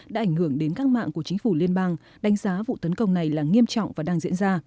đã ảnh hưởng đến các mạng của chính phủ liên bang đánh giá vụ tấn công này là nghiêm trọng và đang diễn ra